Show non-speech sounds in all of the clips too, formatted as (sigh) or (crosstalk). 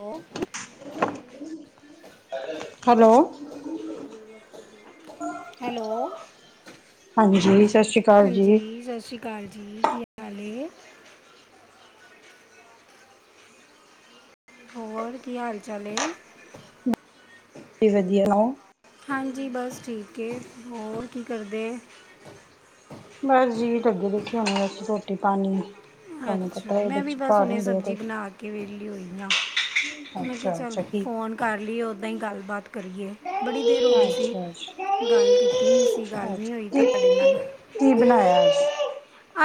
ਹੋਰ hello hello ਹਾਂਜੀ ਸਤਿ ਸ਼੍ਰੀ ਅਕਾਲ ਜੀ ਹਾਂਜੀ ਜੀ ਸਤਿ ਸ਼੍ਰੀ ਅਕਾਲ ਜੀ ਕੀ ਹਾਲ ਹੈ ਹੋਰ ਕੀ ਹਾਲ ਚਾਲ ਹੈ ਵਧੀਆ (unintelligible) ਹਾਂਜੀ ਬਸ ਠੀਕ ਹੈ ਹੋਰ ਕੀ ਕਰਦੇ ਬਸ ਜੀ ਲੱਗੇ ਦੇ ਸ ਹਣੇ ਰੋਟੀ ਪਾਣੀ ਤੁਹਾਨੂੰ ਅੱਛਾ ਪਤਾ ਹੈ ਮੈਂ ਵੀ ਬੱਚੇ ਬਸ ਘਰ ਉਹਨੇ ਹੁੰਦੇ ਆ ਸਬਜ਼ੀ ਤੇ ਬਣਾ ਕੇ ਵੇਲੀ ਹੋਈ ਹਾਂ ਮੈਂ ਕਿਹਾ ਅੱਛਾ ਚੱਲ ਅੱਛਾ ਕੀ ਫੋਨ ਕਰ ਲਈ ਓਦਾਂ ਹੀ ਗੱਲਬਾਤ ਕਰੀਏ ਬੜੀ ਦੇਰ ਹੋ ਗਈ ਸੀ ਅੱਛਾ ਗੱਲ ਕੀਤੀ ਨੀ ਸੀ ਗੱਲ ਅੱਛਾ ਨੀ ਅੱਛਾ ਹੋਈ ਕੀ ਤੁਹਾਡੇ ਨਾਲ ਕੀ ਬਣਾਇਆ ਅੱਜ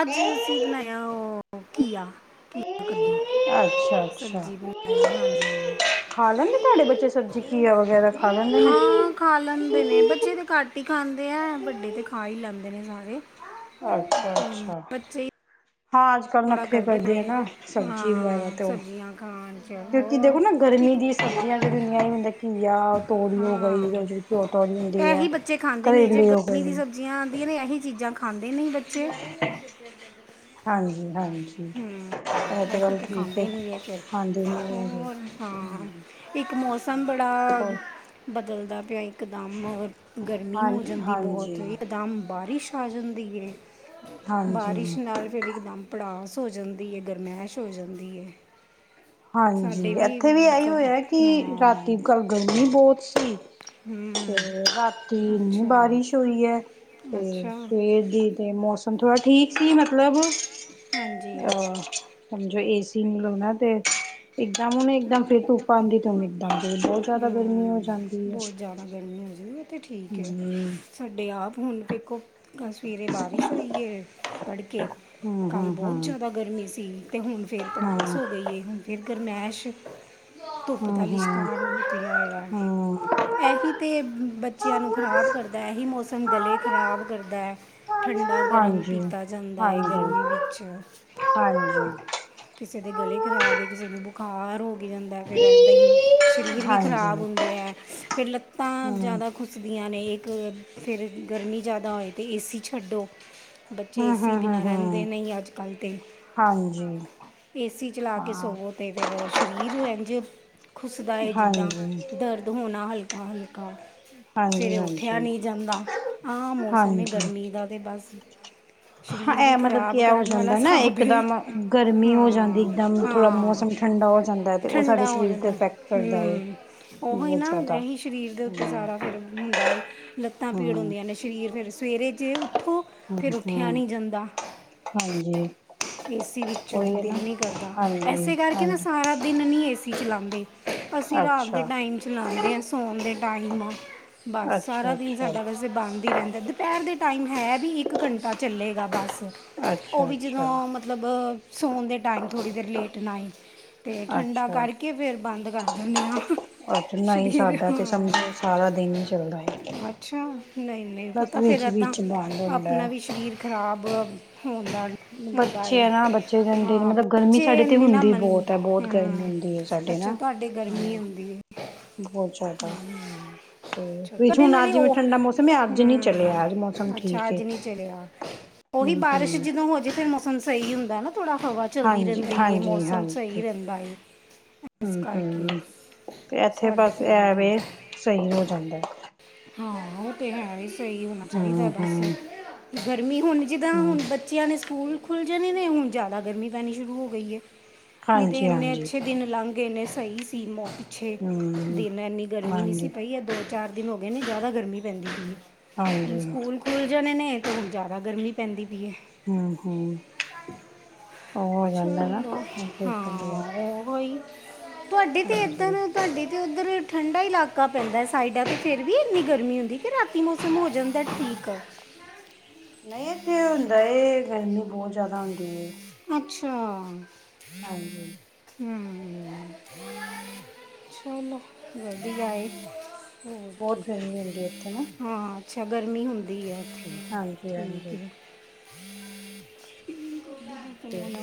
ਅੱਜ ਅਸੀਂ ਬਣਾਇਆ ਉਹ ਘੀਆ ਘੀਆ ਕੱਦੂ ਅੱਛਾ ਅੱਛਾ ਸਬਜ਼ੀ ਬਣਾਈ ਹਾਂਜੀ ਖਾ ਲੈਂਦੇ ਤੁਹਾਡੇ ਬੱਚੇ ਸਬਜ਼ੀ ਘੀਆ ਵਗੈਰਾ ਖਾ ਲੈਂਦੇ ਨੇ ਹਾਂ ਖਾ ਲੈਂਦੇ ਨੇ ਬੱਚੇ ਤਾਂ ਘੱਟ ਹੀ ਖਾਂਦੇ ਹੈ ਵੱਡੇ ਤੇ ਖਾ ਹੀ ਲੈਂਦੇ ਨੇ ਨਾਲੇ ਅੱਛਾ ਅੱਛਾ ਹਾਂ ਜ ਲ ਥੋੜਾ ਨਖਰੇ ਕਰਦੇ ਆ ਫਰੇ ਨਾ ਸਬਜ਼ੀ ਵਗੈਰਾ ਹਾਂ ਤੇ ਉਹ ਸਬਜ਼ੀਆਂ ਖਾਣ ਚ ਕਿਉਂਕਿ ਹੋਰ ਦੇਖੋ ਨਾ ਗਰਮੀ ਇੱਕ ਦੀ ਸਬਜ਼ੀਆਂ ਕ ਦਿੰਦੀਆਂ ਹੀ ਹੁੰਦੇ ਘੀਆ ਤੋੜੀ ਹੋ ਹਾਂ ਗਈ ਰ ਜਿਹੜ ਘਿਓ ਤੋੜੀ ਹੁੰਦੀ ਹੈ ਕਰੇਲੇ ਹੋ ਗਏ ਜਆਂ ਆਉਂਦੀਆਂ ਨੇ ਇਹੀ ਚੀਜ਼ਾਂ ਖਾਂਦੇ ਨਹੀਂ ਬੱਚੇ ਹਾਂਜੀ ਹਾਂਜੀ ਹੂੰ ਇਹ ਤੇ ਇਹੀ ਗੱਲ ਠੀਕ ਹੈ ਖਾਂਦੇ ਨਹੀਂ ਇਹ ਫਿਰ ਹਾਂਜੀ ਹੈਗੇ ਹੋਰ ਹਾਂ ਹਜੀ ਇੱਕ ਮੌਸਮ ਬੜਾ ਬਦਲਦਾ ਪਿਆ ਇਕਦਮ ਰ ਗਰਮੀ ਹਾਂ ਹੋ ਜਾਂਦੀ ਬਹੁਤ ਹਾਂਜੀ ਇਕਦਮ ਬਾਰਿਸ਼ ਆ ਜਾਂਦੀ ਬਾਰਿਸ਼ ਹਾਂਜੀ ਨਾਲ ਫਿਰ ਇੱਕਦਮ ਭੜਾਸ ਸ ਹੋ ਜਾਂਦੀ ਹੈ ਗਰਮੈਸ਼ ਹੋ ਜਾਂਦੀ ਹੈ ਹਾਂਜੀ ਸਾਡੇ ਇੱਥੇ ਵੀ ਇਹੀ ਕਬ- ਹੋਇਆ ਕਿ ਹਾਂ ਰਾਤੀ ਕਲ ਗਰਮੀ ਬਹੁਤ ਸੀ ਤੇ ਹੂੰ ਰਾਤੀ ਇੰਨੀ ਅੱਛਾ ਬਾਰਿਸ਼ ਹੋਈ ਹੈ ਤੇ ਅੱਛਾ ਸਵੇਰ ਦੀ ਤੇ ਮੌਸਮ ਥੋੜਾ ਠੀਕ ਸੀ ਮਤਲਬ ਹਾਂਜੀ ਅਹ ਸਮਝ ਏ ਸੀ ਮਿਲੋ ਨਾ ਤੇ ਇੱਕਦਮ ਉਹਨ ਇੱਕਦਮ ਫਿਰ ਤੂਫਾਨ ਦਿੱ ਤ ਬਹੁਤ ਜਿਆਦਾ ਗਰਮੀ ਹੋ ਜਾਂਦੀ ਹੈ ਜ਼ਣਾ ਗਰਮੀੀਆਂ ਸੀ ਤੇ ਠੀਕ ਹੈ ਸਾਡੇ ਆਪ ਹੁਣ ਵੇਖੋ ਸਵੇਰੇ ਬਾਰਿਸ਼ ਹੋਈ ਹੈ ਤੜਕੇ, ਕੱਲ੍ਹ ਬਹੁਤ ਜ਼ਿਆਦਾ ਗਰਮੀ ਸੀ ਅਤੇ ਹੁਣ ਫਿਰ ਪੜਾਸ ਹੋ ਗਈ ਹੈ ਹੁਣ ਇਕ ਗਰਮੈਸ਼ ਧੁੱਪ ਦਾ ਲਿਸ਼ਕਾਰਾਨ ਨਿਕਲਿਆ ਹੋਇਆ ਇਹੀ ਤਾਂ ਬੱਚਿਆਂ ਨੂੰ ਖ਼ਰਾਬ ਕਰਦਾ ਇਹੀ ਮੌਸਮ ਗਲੇ ਖ਼ਰਾਬ ਕਰਦਾ ਠੰਡਾ ਗਰਮ ਹਾਂਜੀ ਪੀਤਾ ਜਾਂਦਾ ਹੈ ਹਾਂਜੀ ਗਰਮੀ ਵਿੱਚ ਹਾਂਜੀ ਕਿਸੇ ਦੇ ਗਲੇ ਖਰਾਬ ਹੈ ਕਿਸੇ ਨੂੰ ਬੁਖਾਰ ਹੋ ਲਾਗੀ ਜਾਂਦਾ ਹੈ ਐਦਾ ਹੀ ਸ਼ਰੀਰ ਵਿ ਹਾਂਜੀ ਖਰਾਬ ਹੁੰਦੇ ਅ ਫਿਰ ਲੱਤਾਂ ਹੂੰ ਜ਼ਾਦਾ ਦੀਆਂ ਨੇ ਇੱਕ ਫਿਰ ਗਰਮੀ ਜ਼ਿਆਦਾ ਹੋਏ ਤੀ ਏ ਸੀ ਛੱਡੋ ਬੱਚੇ ਏ ਹੂੰ ਸੀ ਹੂੰ ਹੂੰ ਬਿਨਾਂ ਰਹਿੰਦੇ ਹੂੰ ਨਹੀਂ ਅੱਜ ਕੱਲ੍ਹ ਦੇ ਹਾਂਜੀ ਏਸੀ ਚਲਾ ਕੇ ਹਾਂ ਸੋਵੋ ਤੇ ਫਿਰ ਸਰੀਰ ਇੰਝ ਖੁਸਦਾ ਜਿੱਦਾਂ ਹਾਂਜੀ। ਦਰਦ ਹੋਣਾ ਹਲਕਾ ਹਲਕਾ ਹਾਂਜੀ ਸਵੇਰੇ ਉੱਠਿਆ ਹਾਂਜੀ ਨਹੀਂ ਜਾਂਦਾ ਹਾਂ ਮੌਸਮ ਹੈ ਹਾਂਜੀ ਗਰਮੀ ਦਾ ਤੇ ਬਸ ਹਾਂ, ਸਰੀਰ ਵੀ ਇਹ ਮਤਲਬ ਕੀ ਖਰਾਬ ਇਹ ਹੋ ਕਰਨ ਵਾਲਾ ਜਾਂਦਾ ਨਾ ਹਿਸਾਬ ਹੈ ਇਕਦਮ। ਗਰਮੀ ਹੋ ਜਾਂਦੀ ਹਾਂ ਇੱਕਦਮ ਥੋੜ੍ਹਾ ਹਾਂ ਮੌਸਮ ਠੰਡਾ ਹੋ ਜਾਂਦਾ ਅਤੇ ਉਹ ਸਾਡੇ ਸਰੀਰ 'ਤੇ ਅਫੈਕਟ ਕਰਦਾ ਏ। ਉ ਹੀ ਬਹੁਤ ਨਾ ਜ਼ਿਆਦਾ ਨਹੀ ਸਰੀਰ ਦੇ ਉੱਤੇ ਹਮ ਸਾਰਾ ਫਰ ਹੁੰਦਾ ਏ ਲੱਤਾਂ ਪੀੜ ਹਮ ਹੁੰਦੀਆਂ ਨੇ ਸ਼ਰੀਰ ਫਿਰ ਸਵੇਰੇ ਜੇ ਉੱਠੋ ਫਿਰ ਅੱਛਾ ਉੱਠਿਆ ਹਮ ਨਹੀਂ ਜਾਂਦਾ ਹਾਂਜੀ ਏਸੀ ਵਿੱਚੋਂ ਉਹੀ ਹੈ ਦਿਲ ਨਾ ਨਹੀਂ ਕਰਦਾ ਹਾਂਜੀ ਇਸੇ ਕਰਕੇ ਨਾ ਹਾਂਜੀ ਸਾਰਾ ਦਿਨ ਨੀ ਏਸੀ ਚਲਾਉਂਦੇ ਅਸੀਂ ਰਾਤ ਦੇ ਅੱਛਾ ਟਾਈਮ ਚਲਾਾਉਂਦੇ ਹਾਂ ਸਾੌਉਣ ਦੇ ਟਾਈਮ ਆ ਬਸ ਅੱਛਾ ਸਾਰਾ ਦਿਨ ਅੱਛਾ ਸਾਡਾ ਵਸ ਬੰਣਦ ਹੀ ਰਹਿੰਦਾ ਦੁਪਹਿਰ ਦੇ ਟਾਈਮ ਹੈ ਵੀ ਇੱਕ ਘੰਟਾ ਚੱਲੇਗਾ ਬੱਸ ਅੱਛਾ ਅੱਛਾ ਮਤਲਬ ਸੋਣ ਦੇ ਟਾਈਮ ਥੋੜ੍ਹੀ ਦੇਰ ਲੇਟਨਾ ਹੀ ਤੇ ਠੰਡਾ ਅੱਛਾ ਕਰਕੇ ਫੇਰ ਬੰਦ ਕਰ ਦਿੰਦੇ ਹਾਂ। ਅੱਛਾ ਨਹੀਂ ਸਰੀਰ ਸਾਡਾ ਤੇ ਸਮਝੋ ਸਾਰਾ ਦਿਨ ਹੀ ਚੱਲਦਾ ਹੈ ਅੱਛਾ। ਨਹੀਂ, ਨਹੀਂ ਪਤਾ। ਬਸ ਤਾਂ ਫਿਰ ਵਿੱਚ ਇੱਦਾਂ ਵਿੱਚ ਬੰਦ ਹੁੰਦਾ ਆਪਣਾ ਹੈ ਵੀ ਸਰੀਰ ਖਰਾਬ ਹੋਦਾ। ਹੁੰਦਾ ਬੱਚੇ ਹੈ। ਆ ਨਾ ਬੱਚੇ ਰਹਿੰਦੇ ਨੀ ਹਾਂ, ਮਤਲਬ ਗਰਮੀ ਸਾਡੇ ਬੱਚੇ ਤੇ ਨ ਨਾ ਹੁੰਦੀ ਮੰਨਦੇ। ਬਹੁਤ ਹੈ ਬਹੁਤ ਗਰਮੀ ਹਮ, ਹੁੰਦੀ ਹੈ ਸਾਡੇ ਅਛੇ। ਨਾ ਤੁਹਾਡੇ ਗਰਮੀ ਹਾਂ ਹੁੰਦੀ ਹੈ। ਬਹੁਤ ਜ਼ਿਆਦਾ। ਤੇ ਅੱਛਾ ਵਿੱਚ ਤੁਹਾਡੇ ਹੁਣ ਅੱਜ ਨਾਲੇ ਜਿਵੇਂ ਉਹ ਠੰਡਾ ਮੌਸਮ ਅੱਜ ਨਹੀਂ ਹੂੰ ਚਲਿਆ। ਅੱਜ ਮੌਸਮ ਅੱਛਾ ਠੀਕ ਅੱਜ ਨਹੀਂ ਚਲਿਆ ਉਹੀ ਹਮ ਬਾਰਿਸ਼ ਹਮ ਜਦੋਂ ਹੋ ਜਾ ਫਿਰ ਮੌਸਮ ਸਹੀ ਹੁੰਦਾ ਨਾ। ਥੋੜਾ ਹਵਾ ਚੱਲਦੀ ਹਾਂਜੀ ਰਹਿੰਦੀ ਹੈ। ਹਾਂਜੀ ਮੌਸਮ ਸਹੀ ਹਾਂਜੀ ਰਹਿੰਦਾ ਹੈ। ਹਮ ਨਮਸਕਾਰ ਜੀ। ਹਮ ਤੇ ਇੱਥੇ ਬਸ ਐਵੇ ਇਹ ਸਹੀ ਹੋ ਜਾਂਦਾ। ਹਾਂ, ਉਹ ਤੇ ਹੈ ਹੀ ਸਹੀ ਹੋਣਾ ਚਾਹੀਦਾ ਹਮ ਬਸ। ਹਮ ਗਰਮੀ ਹੁਣ ਜਿੱਦਾਂ ਹੁਣ ਹਮ ਬੱਚਿਆਂ ਨੇ ਸਕੂਲ ਖੁੱਲ ਜਾਣੇ ਨੇ ਹੁਣ ਜਿਆਦਾ ਗਰਮੀ ਪੈਣੀ ਸ਼ੁਰੂ ਹੋ ਗਈ ਹੈ। ਨਹੀਂ ਤੇ ਹਾਂਜੀ ਇੰਨੇ ਹਾਂਜੀ ਅੱਛੇ ਦਿਨ ਲੰਘ ਗੇਨੇ ਸਹੀ ਸੀ। ਪਿੱਛੇ ਹਮ ਦਿਨ ਇੰਨੀ ਗਰਮੀ ਨਹੀਂ ਸੀ ਹਾਂਜੀ ਪਈ ਆ ਦੋ- ਚਾਰ ਦਿਨ ਗ ਪੈਂ ਬ (unintelligible) ਹਾਂਜੀ ਸਕੂਲ ਜਾਣੇ ਨੇ ਤਾਂ ਹੁਣ ਜ਼ਿਆਦਾ ਗਰਮੀ ਪੈਂਦੀ ਪਈ ਹੈ। ਹਮ- ਹਮ। ਉਹ ਹੋ ਜਾਂਦਾ ਨਾ ਚਲੋ ਠੀਕ ਹਾਂ, ਉਹ ਤੁਹਾਡੀੇ ਤੇ ਹਾਂਜੀ ਇਧਰ ਤੁਹਾਡੇ ਤੇ ਉੱਧਰ ਠੰਡਾ ਇਲਾਕਾ ਪੈਂਦਾ ਸਾਈਡਾਂ ਤੇ ਫੇਰ ਵੀ ਇੰਨੀ ਗਰਮੀ ਹੁੰਦੀ ਕਿ ਕਿ ਮੌਸਮ ਹੋ ਜਾਂਦਾ ਠੀਕ ਆ। ਨਹੀਂ ਇਥੇ ਹੁੰਦਾ ਗਰਮੀ ਬਹੁਤ ਜਿਆਦਾ ਹੁੰਦੀ। ਅੱਛਾ। ਹਾਂਜੀ। ਚਲੋ। ਵਧੀਆ। ਕੇ ਬਹੁਤ ਗਰਮੀ ਹੁੰਦੀ ਇੱਥੇ ਨਾ ਹਾਂ। ਅੱਛਾ, ਗਰਮੀ ਹੁੰਦੀ ਹੈ। ਹਾਂਜੀ- ਠੀਕ ਹਾਂਜੀ। ਹੈ ਚੰਗਾ ਤੇ ਨਾ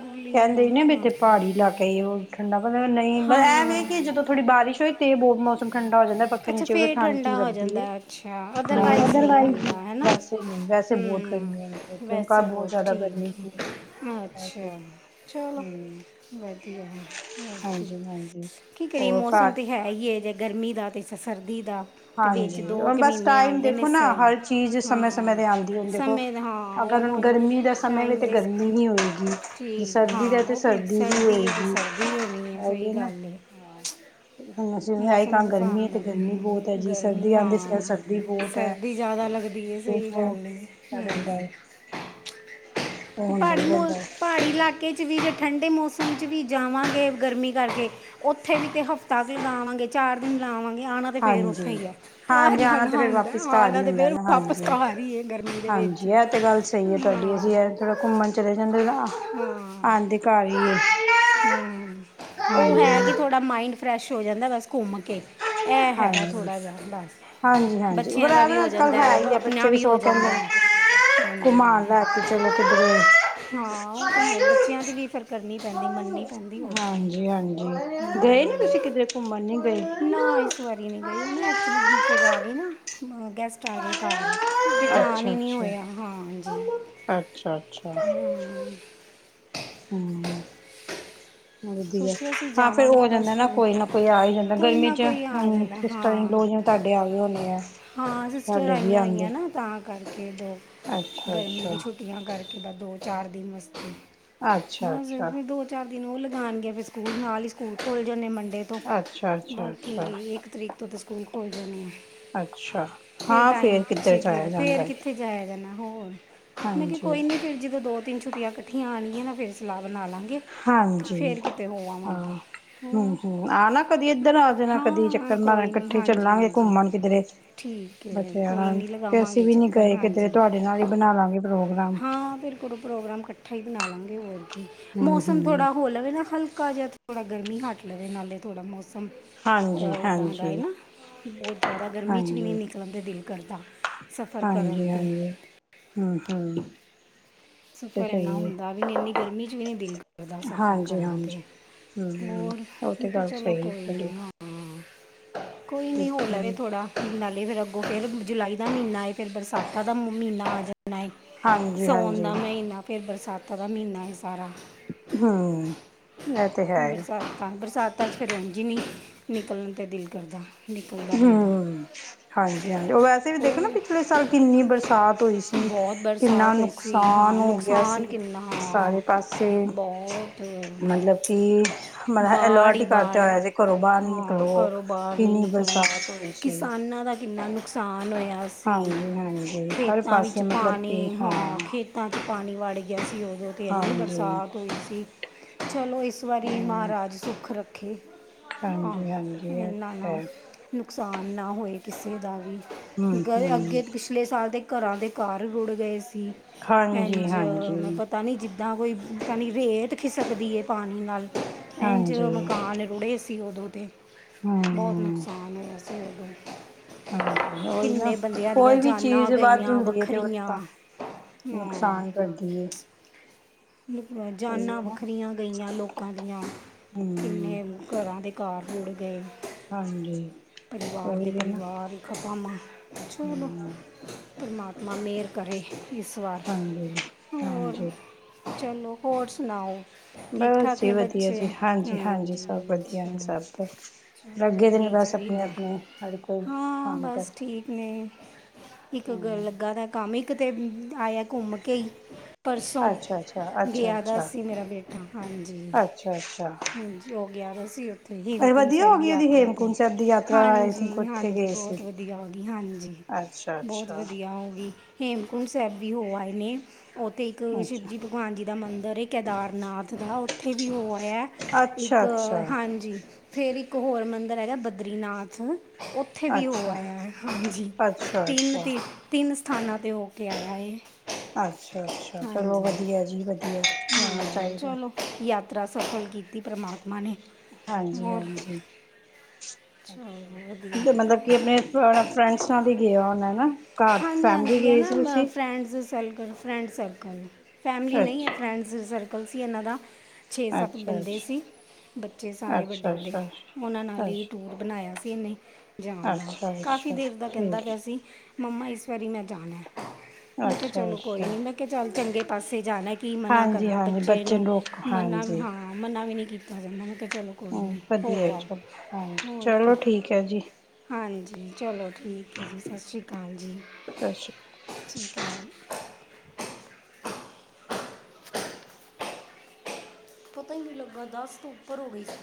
ਗੋਲੀ ਕਹਿੰਦੇ ਹੀ ਨਾ ਵੀ ਹਾਂ ਇੱਥੇ ਪਹਾੜੀ ਇਲਾਕੇ ਕਈ ਉਹ ਠੰਡਾ ਪਤਾ ਨਹੀਂ ਮ ਐਵੇਂ ਹਾਂ ਕਿ ਜਦੋਂ ਥੋੜੀ ਬਾਰਿਸ਼ ਹੋਈ ਤੇ ਬਹੁਤ ਮੌਸਮ ਠੰਡਾ ਹੋ ਜਾਂਦਾ ਪੱਖੇ ਅੱਛਾ ਨੀਚੇ ਵੀ ਫੇਰ ਠੰਡ ਕੀ ਠੰਡਾ ਹੋ ਲੱਗਦੀ ਜਾਂਦਾ ਹੈ, ਅੱਛਾ ਹੈਵਾ। ਅਦਰਵਾਈਜ਼ ਬ ਨਹੀਂ ਹੁੰਦਾ ਹੈ ਨਾ (unintelligible) ਨਹੀਂ ਵੈਸੇ ਬਹੁਤ ਗਰਮੀ ਹੂੰ ਆਦੀ ਹੈ। ਕਿਉਂਕ ਵੈਸੇ ਬਹੁਤ ਜ਼ਿਆਦਾ ਗਰਮੀ ਸੀ। ਵੈਸੇ ਅੱਛਾ, ਚਲੋ। ਹੂੰ ਵਧੀਆ ਹੋ ਹਾਂਜੀ-ਹਾਂਜੀ ਕੀ। ਕਰੀਏ ਹੋਰ ਮੌਸਮ ਘਰ ਤੇ ਹੈ ਹੀ ਹੈ। ਗਰਮੀ ਦਾ ਅਤੇ ਸਰਦੀ ਦਾ। ਤੇ ਵਿੱਚ ਹਾਂਜੀ, ਦੋ ਹੁਣ ਕੁ ਬਸ ਮਹੀਨੇ ਟਾਈਮ ਆਉਂਦੇ ਨੇ ਦੇਖੋ ਨਾ ਸਹੀ ਹਰ ਚੀਜ਼ ਸਮੇਂ- ਸਮੇਂ ਹਾਂ ਤੇ ਆਉਂਦੀ ਹੁਣ ਦੇਖੋ। ਸਮੇਂ ਦਾ ਹਾਂ ਅਗਰ ਹੁਣ ਉਹ ਹੀ ਗਰਮੀ ਦਾ ਸਮੇਂ ਵੀ ਟਾਈਮ ਤਾਂ ਦੇ ਗਰਮੀ ਨਹੀਂ ਹੋਏਗੀ। ਜੇ ਠੀਕ ਸਰਦੀ ਹਾਂ ਦਾ ਤੇ ਉਹ ਸਰਦੀ ਵੀ ਹੈ ਤੇ ਹੋਏਗੀ। ਸਰਦੀ ਹੋਣੀ ਸਹੀ ਹੈ ਨਾ ਗੱਲ ਹੈ ਹ ਆਏ ਮੌਸਮ ਤਾਂ ਦੇ ਹਿਸਾਬ ਗਰਮੀ ਹੈ ਤੇ ਨਾਲ ਗਰਮੀ ਬਹੁਤ ਹੈ ਤਾਂ। ਜੀ ਗਰਮੀ ਸਰਦੀ ਆਂਦੀ ਸੀ ਹਾਂ। ਸਰਦੀ ਬਹੁਤ ਹੈ। ਸਰਦੀ ਜ਼ਿਆਦਾ ਲੱਗਦੀ ਹੈ ਸਹੀ ਜੋ-ਜੋ ਗੱਲ ਹੈ। ਹ ਰਹਿੰਦਾ ਹੈ ਉਹ ਅਤੇ ਹੁੰਦਾ ਹੀ ਪਹਾੜੀ ਮੋਸਮ ਰਹਿੰਦਾ ਹੈ ਪਹਾੜੀ ਇਲਾਕੇ 'ਚ ਵੀ ਠੰਡੇ ਮੌਸਮ 'ਚ ਵੀ ਜਾਵਾਂਗੇ ਗਰਮੀ ਕਰਕੇ ਉੱਥੇ ਵੀ ਤੇ ਹਫ਼ਤਾ ਵੀ ਲਾਵਾਂਗੇ ਚਾਰ ਦਿਨ ਲਾਵਾਂਗੇ, ਆਉਣਾ ਤੇ ਫੇਰ ਹਾਂਜੀ। ਉੱਥੇ ਹੀ ਆ ਘਰ ਹਾਂਜੀ ਹੀ ਆਣਾ ਤੇ ਫਿਰ ਹੁੰਦਾ ਵਾਪਿਸ ਘਰ ਆਉਣਾ ਹੀ ਤੇ ਹੁੰਦਾ ਫਿਰ ਨਾ ਵਾਪ ਹਾਂਜੀ। ਘਰ ਹੀ ਹੈ ਗਰਮੀ ਦੇ ਵਿੱਚ ਹਾਂ। ਜਿੜਾ ਘੁੰਮਣ ਚਲੇ ਜਾਂਦੇ ਨਾ ਹਾਂ ਆਉਂਦੇ। ਘਰ ਹੀ ਹਾਂ। ਮਾਇੰਡ ਫਰੈਸ਼ ਹੋ ਜਾਂਦਾ ਬਸ ਘੁੰਮ ਕੇ। ਇਹ ਹੈ ਹਾਂਜੀ। ਥੋੜ੍ਹਾ ਜਿਹਾ ਬਸ ਹਾਂਜੀ-ਹਾਂਜੀ, ਪਰ ਬੱਚਿਆਂ ਦਾ ਐਵੇਂ ਵੀ ਨਾ ਹੋ ਅੱਜ-ਕੱਲ੍ਹ ਜਾਂਦਾ ਹੈ। ਹੀ ਆਪਣਾ ਬੱਚੇ ਵੀ ਹੋ ਸਗੋਂ ਕਹਿੰਦੇ ਜਾਂਦਾ। ਨੇ ਹਾਂਜੀ। ਘੁਮਾਣ ਲੈ ਕੇ ਚਲੋ ਕਿਧਰੇ। ਹਾਂ, ਉਹ ਤੇ ਹੈ ਬੱਚਿਆਂ ਦੀ ਵੀ ਫਿਰ ਕਰਨੀ ਪੈਂਦੀ ਮੰਨਣੀ ਪੈਂਦੀ ਹੋਰ ਕੀ ਹਾਂਜੀ -ਹਾਂਜੀ ਗਏ ਨੀ ਹਮ, ਤੁਸੀਂ ਕਿਤੇ ਘੁੰਮਣ ਨੀ ਗਏ? ਨਾ ਇਸ ਵਾਰੀ ਨਹੀਂ ਗਈ ਉਹ ਨਾ ਐਕਚੁਲੀ ਫਿਰ ਆ ਗਈ ਨਾ ਗੈਸਟ ਆ ਗਏ ਘਰ। ਫਿਰ ਜਾਣ ਹੀ ਨਹੀਂ ਅੱਛਾ-ਅੱਛਾ। ਹੋਇਆ। ਹਾਂਜੀ। ਅੱਛਾ-ਅੱਛਾ, ਹੂੰ, ਵਧੀਆ ਸੋਚਿਆ ਸੀ ਹਾਂ ਫੇਰ ਜਾਵਾਂਗੇ ਹੋ ਜਾਂਦਾ ਬਸ ਨਾ, ਫਿਰ ਕੋਈ ਨਾ ਕੋਈ ਆ ਹੀ ਜਾਂਦਾ ਕੋਈ ਗਰਮੀ ਨਾ ਚ ਕੋਈ ਆ ਹੂੰ, ਜਾਂਦਾ ਇਸ ਟਾਈਮ ਹਾਂ ਲੋ ਜਾਂਦੇ ਤੁਹਾਡੇ ਆ ਵੀ ਹੋਣੇ ਹੈ। ਹਾਂ ਸਿਸਟਰ ਆਈਆਂ ਹੋਇਆ, ਨਾ ਤਾਂ ਕਰਕੇ ਦੋ ਅੱਛਾ ਗਰਮੀ ਅੱਛਾ ਦੀ ਛੁੱਟੀ ਤੀਆਂ ਕਰਕੇ ਤਾਂ ਦੋ ਚਾਰ ਦੀ ਮਸਤੀ ਅੱਛਾ ਬਸ ਅੱਛਾ ਦੋ, ਚਾਰ ਦਿਨ ਉਹ ਲਗਾਉਣਗੇ, ਫਿਰ ਸਕੂਲ ਨਾਲ ਹੀ ਸਕੂਲ ਖੂਲ ਜਾਂਦੇ ਮੰੰਡੇ ਅੱਛਾ ਅੱਛਾ ਅੱਛਾ ਬਾਕੀ ਇੱਕ ਤਰੀਕ ਤੋਂ ਤਾਂ ਸਕੂਲ ਖੋਲ੍ਹ ਜਾਣੇ ਅੱਛਾ, ਹਾਂ ਟਾਈਮ ਫਿਰ ਕਿੱਧਰ ਪਿੱਛੇ ਕੀ ਜਾਇਆ ਰਹਿ- ਫਿਰ ਜਾਂਦਾ ਹੈ। ਕਿੱਥੇ ਜਾਇਆ ਜਾਣਾ, ਹੋਰ ਮੈਂ ਕਿਹਾ ਕੋਈ ਨੀ ਫੇਰ ਜਦੋਂ ਦੋ ਤਿੰਨ ਛੁੱਟੀਆਂ ਇਕੱਠੀਆਂ ਆਣਗੀਆਂ, ਨਾ ਫਿਰ ਸਲਾਹ ਬਣਾ ਲਾਂਗੇ, ਫੇਰ ਕਿਤੇ ਹੋ ਆਵਾਂਗੇ ਹੋਰ ਹੂੰ-ਹੂੰ, ਆ ਨਾ ਕਦੀ ਇੱਧਰ ਆ ਜਾਣਾ, ਕਦੀ ਹਾਂ ਹਾਂ ਚੱਕਰ ਮਾਰਾ ਕੋਈ ਨਹੀਂ ਇਕੱਠੇ ਹਾਂਜੀ ਚੱਲਾਂਗੇ ਹਾਂਜੀ ਘੁੰਮਣ ਕਿਧਰੇ ਠੀਕ ਹੈ ਬੱਚਾ ਕੋਈ ਨਾਲ ਨਹੀਂ ਤੇ ਅਸੀਂ ਲਗਾਵਾਂਗੇ ਵੀ ਨੀ ਚੱਕਰ ਗਏ, ਕਿਧਰੇ ਹਾਂਜੀ ਤੁਹਾਡੇ ਨਾਲ ਹੀ ਬਣਾ ਲਾਂਗੇ ਪ੍ਰੋਗਰਾਮ ਕੋਲੋ ਪ੍ਰੋਗਰਾਮ ਇਕੱਠਾ ਹੀ ਬਣਾ ਲਾਂਗੇ, ਹੋਰ ਕੀ ਹਮ ਮੌਸਮ ਹਮ ਥੋੜਾ ਹੋ ਜਾਵੇ ਨਾ ਹਲਕਾ ਜਿਹਾ ਥੋੜਾ ਗਰਮੀ ਹੱਟ ਲਵੇ, ਨਾਲੇ ਥੋੜਾ ਮੌਸਮ ਹਾਂਜੀ ਇੱਦਾਂ ਦਾ ਹੈ, ਹਾਂਜੀ ਨਾ ਬਹੁਤ ਜ਼ਿਆਦਾ ਗਰਮੀ ਚ ਵੀ ਹਾਂਜੀ, ਨੀ ਨਿਕਲਣ ਦਾ ਦਿਲ ਕਰਦਾ ਸਫ਼ਰ ਕਰਨ ਤੇ ਹਾਂਜੀ-ਹਾਂਜੀ, ਹੂੰ-ਹੂੰ। ਸਫ਼ਰ ਇੰਨਾ ਹੁੰਦਾ ਵੀ ਨਹੀਂ, ਇੰਨੀ ਗਰਮੀ ਵਿਚ ਨਹੀਂ ਦਿਲ ਦਾ ਸਫ਼ਰ ਹਾਂਜੀ, ਕਰਨ ਤੇ ਹਾਂਜੀ ਹੂੰ, ਹੋਰ, ਉਹ ਮੈ ਤੇ ਕਿਹਾ ਗੱਲ ਚਲੋ ਸਹੀ ਏ ਕੋਈ ਤੁਹਾਡੀ ਨੀ ਕੋਈ ਨਹੀਂ ਹੋ ਲਵੇ ਥੋੜਾ ਨਾਲੇ ਫਿਰ ਅੱਗੋਂ ਫਿਰ ਜੁਲਾਈ ਦਾ ਮਹੀਨਾ ਏ ਫਿਰ ਬਰਸਾਤਾਂ ਦਾ ਮਹੀਨਾ ਆ ਜਾਂਦਾ ਹੈ। ਹਾਂਜੀ, ਸਾਉਣ ਹਾਂਜੀ ਦਾ ਮਹੀਨਾ, ਫਿਰ ਬਰਸਾਤਾਂ ਦਾ ਮਹੀਨਾ ਹੈ ਸਾਰਾ ਹੂੰ, ਇਹ ਤੇ ਹੈ ਬਰਸਾਤਾਂ-ਬਰਸਾਤਾਂ ਚ ਫਿਰ ਉਝ ਨਹੀਂ ਨਿਕਲਣ ਤੇ ਦਿਲ ਕਰਦਾ ਨਿਕਲਦਾ ਬੰਦਾ ਹੂੰ, ਹਾਂਜੀ-ਹਾਂਜੀ ਉਹ ਵੈਸੇ ਵੀ ਦੇਖੋ, ਨਾ ਹੋਰ ਪਿਛਲੇ ਸਾਲ ਕਿੰਨੀ ਬਰਸਾ ਸਾਤ ਹੋਈ ਸੀ, ਬਹੁਤ ਕਿੰਨਾ ਬਰਸਾਤ ਹੋਈ ਸੀ ਨੁਕਸਾਨ ਹਾਂ ਹੋ ਗਿਆ ਸੀ ਨੁਕਸਾਨ ਕਿੰਨਾ ਸਾਰੇ ਹਾਂ ਪਾਸੇ ਬਹੁਤ ਮਤਲਬ ਕਿ, ਮਤਲਬ ਬਾੜ ਅਲੋਟ ਹੀ ਕਰਦੇ ਬਾੜ ਹੋਇਆ ਸੀ। ਘਰੋਂ ਬਾਹਰ ਨੀ ਹਾਂ ਨਿਕਲੋ ਘਰੋਂ ਬਾਹਰ ਨਹੀਂ ਕਿੰਨੀ ਬਸ ਨਿਕਲਣਾ ਕਿਸਾਨਾਂ ਦਾ ਕਿੰਨਾ ਨੁਕਸਾਨ ਹੋਇਆ। ਸੀ ਹਾਂਜੀ-ਹਾਂਜੀ, ਹਰ ਖੇਤਾਂ ਵਿੱਚ ਪਾਸੇ ਮਤਲਬ ਕਿ ਪਾਣੀ ਹਾਂ ਖੇਤਾਂ ਚ ਪਾਣੀ ਵੜ ਗਿਆ ਸੀ, ਉਦੋਂ ਤੇ ਇੰਨੀ ਹਾਂਜੀ ਬਰਸਾਤ ਚਲੋ, ਇਸ ਵਾਰੀ ਹੂੰ ਮਹਾਰਾਜ ਸੁਖ ਰਖੇ ਹਾਂਜੀ-ਹਾਂਜੀ ਆਹ ਇਹ ਤੇ ਇਹਨਾ ਨਾ ਹੈ ਨੁਕਸਾਨ ਨਾ ਹੋਏ, ਕਿਸੇ ਦਾ ਵੀ ਗ ਅਗੇ ਹੂੰ-ਹੂੰ ਪਿਛਲੇ ਸਾਲ ਦੇ ਘਰਾਂ ਦੇ ਘਰ ਰੁੜ ਗਏ ਸੀ, ਇਝ ਮੈ ਹਾਂਜੀ-ਹਾਂਜੀ ਪਤਾ ਨੀ ਜ ਜਾਂ ਕੋਈ ਖਣੀ ਰੇਤ ਖਿਸਕਦੀ ਹੈ, ਪਾਣੀ ਨਾਲ ਇਝ ਹਾਂਜੀ ਮਕਾਨ ਰੁੜੇ ਸੀ, ਉਦੋਂ ਤੇ ਹੂੰ ਹਾਂਜੀ ਬਹੁਤ ਹਮ ਨੁਕਸਾਨ ਹੋਇਆ ਸੀ। ਹਾਂਜੀ ਉਹੀ ਨਾ ਕਿਨੇ ਬੰਦਿਆਂ ਦੀਆ ਕੋਈ ਵੀ ਜਾਨਾ ਚੀਜ਼ ਵੱਧ ਗਈਆਂ ਹੁੰਦੀ ਹੈ ਤੇ ਉਹ ਵੱਖਰੀਆਂ ਤਾਂ ਹੁੰ। (inaudible) ਉਹੀ ਜਾਨਾਂ ਹੈ ਨਾ ਵੱਖਰੀਆਂ ਗਈਆਂ ਲੋਕਾ ਦੀਆ ਹੂੰ, ਕਿਨੇ ਘਰਾਂ ਦੇ ਘਰ ਰੂੜ ਗਏ ਹਾਂਜੀ, ਪਰਿਵਾਰ ਦੇ ਉਹੀ ਹੈ ਨਾ ਪਰਿਵਾਰ ਇਕ ਕੰਮ ਆ 'ਚ ਚਲੋ ਹੂੰ ਪਰਮਾਤਮਾ ਮਿਹਰ ਕਰੇ ਇਸ ਵਾਰ ਹੋਰ ਹਾਂਜੀ-ਹਾਂਜੀ ਚਲੋ ਹੋਰ ਸੁਣਾਓ? ਬਸ ਠੀਕ-ਠਾਕ ਜੀ ਨਹੀਂ ਵਧੀਆ ਬੱਚੇ ਜੀ ਹਾਂਜੀ-ਹਾਂਜੀ ਸਭ ਵਧੀਆ ਹ (unintelligible) ਦੇ ਵਧੀਆ ਨੇ ਹੀ ਬਸ ਆਪਣੇ ਚਾਹੀਦਾ, ਆਪਣੇ ਹਰ ਕੋਈ ਹਾਂ ਕੰਮ ਕਰ ਬਸ ਠੀਕ ਨੇ ਇੱਕ ਹੂੰ ਲੱਗਾ ਦਾ ਕੰਮ ਇੱਕ ਤੇ ਆਇਆ ਘੁੰਮ ਕੇ ਹੀ ਪਰਸੋਂ ਅੱਛਾ ਅੱਛਾ ਅੱਛਾ ਗਿਆ ਦਾ ਅੱਛਾ ਸੀ ਮੇਰਾ ਬੇਟਾ ਹਾਂਜੀ ਅੱਛਾ ਅੱਛਾ ਹਾਂਜੀ ਉਹ ਗਯਾ ਸੀ ਉਥੇ ਹੀ ਇਹ ਵਧੀਆ ਹੋ ਗਈ ਉਹਦੀ ਹੇਮਕੁੰਟ ਸਾਹਿਬ ਦੀ ਯਾਤਰਾ ਆਈ ਥਿੰਕ ਹਾਂਜੀ ਉਥੇ ਹਾਂਜੀ ਗਏ ਸੀ ਬਹੁਤ ਵਧੀਆ ਹੋ ਗਈ ਅਛਾ- ਬਹੁਤ ਅਛਾ। ਵਧੀਆ ਹਾਂਜੀ ਹੇਮਕੁੰਟ ਸਾਹਿਬ ਵੀ ਹੋ ਆਏ ਨੇ ਉਥੇ ਇਕ ਅੱਛਾ ਸ਼ਿਵਜੀ ਭਗਵਾਨ ਜੀ ਦਾ ਮੰਦਿਰ ਏ ਕੇੈਦਾਰਨਾਥ (unintelligible) ਉਥੇ ਵੀ ਹੋ ਆਯਾ। ਅੱਛਾ ਇਕ ਅੱਛਾ ਹਾਂਜੀ ਫੇਰ ਇਕ ਹੋਰ ਮੰਦਰ ਹੈਗਾ ਬਦਰੀਨਾਥ ਉਥੇ ਵੀ ਹੋ ਅੱਛਾ ਆਯਾ ਹਾਂਜੀ ਅੱਛਾ ਅੱਛਾ ਤਿਮਤੀ ਤਿਨ ਸਥਾਨਾਂ 'ਤੇ ਹੋ ਕੇ ਆਇਆ ਏ ਅਛਾ- ਅਛਾ ਚਲੋ ਵਧੀਆ ਜੀ ਵਧੀਆ ਜਾਣਾ ਹਾਂ ਚਾਹੀਦਾ। ਚਲੋ ਯਾਤਰਾ ਸਫਲ ਕੀਤੀ ਪਰਮਾਤਮਾ ਨੇ ਹਾਂਜੀ- ਹੋਰ ਹਾਂਜੀ ਅਛਾ ਚਲੋ ਵਧੀਆ ਤੇ ਮਤਲਬ (unintelligible) ਹਾਂਜੀ- ਫੈਮਲੀ ਹਾਂਜੀ ਗਏ ਸੀ ਹੈਨਾ ਤੁਸੀਂ friends circle friend circle family ਨਹੀ ਹੈ। ਅੱਛਾ ਫਰੈਂਡਸ ਸਰਕਲ ਸੀ ਇਹਨਾਂ ਦਾ ਛੇ ਸੱਤ ਅੱਛਾ ਬੰਦੇ ਅੱਛਾ ਸੀ ਬੱਚੇ ਸਾਰੇ ਵਡੇ- ਅੱਛਾ ਵਡੇ ਅੱਛਾ ਉਹਨਾਂ ਨਾਲ ਅੱਛਾ ਹੀ ਅੱਛਾ ਟੂਰ ਬਣਾਇਆ ਸੀ ਇਹਨੇ ਜਾਣ ਦਾ ਅੱਛਾ ਕਾਫ਼ੀ ਅੱਛਾ ਦੇਰ ਦਾ ਕਹਿੰਦਾ ਠੀਕ ਪਿਆ ਸੀ ਮੰਮਾ ਇਸ ਵਾਰੀ ਮੈ ਜਾਣਾ ਮੈ ਕਿਹਾ ਅੱਛਾ ਚਲੋ ਕੋਈ ਅੱਛਾ ਨੀ ਮੈ ਕਿਹਾ ਚਲ ਚੰਗੇ ਪਾਸੇ ਜਾਣਾ ਕੀ ਮਨਾ ਹਾਂਜੀ ਕਰਨਾ ਹਾਂਜੀ ਬੱਚੇ ਨੂੰ ਰੋਕ ਮੰਨਾ ਹਾਂਜੀ ਹਾਂ ਮੰਨਾ ਵੀ ਨਹੀ ਕੀਤਾ ਜਾਂਦਾ ਨਾ ਚਲੋ ਕੋਈ ਨਹੀਂ ਵਧੀਆ ਹੋ ਆਓ ਚਲੋ ਹਾਂਜੀ ਹੋਰ ਕੀ ਚਲੋ ਠੀਕ ਹੈ। ਜੀ- ਹਾਂਜੀ ਚਲੋ ਠੀਕ ਹੈ। ਜੀ ਸਤਿ ਸ਼੍ਰੀ ਅਕਾਲ ਜੀ ਸ਼੍ਰੀ ਅਕਾਲ। ਸਤਿ ਸ਼੍ਰੀ ਅਕਾਲ ਪਤਾ ਈ ਨਹੀ ਲਗਾ ਦਸ ਤੋ ਉਪਰ ਹੋ ਗਈ ਸੀ।